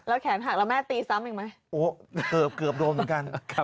แล้วแขนหักแล้วแม่ตีซ้ำอีกมั้ย